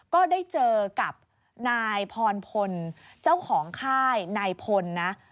ก็ได้เจอกับนายพรพลเจ้าของค่ายนายพลนะ